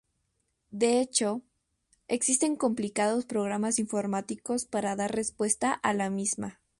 De hecho, existen complicados programas informáticos para dar respuesta a la misma.